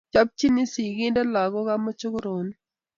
Chopchini sigindet lagok ak mogochoronik